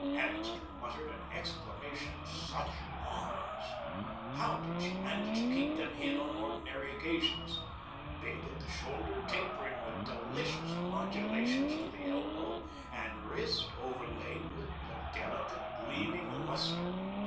Annixter muttered an exclamation. Such arms! How did she manage to keep them hid on ordinary occasions. Big at the shoulder, tapering with delicious modulations to the elbow and wrist, overlaid with a delicate, gleaming lustre.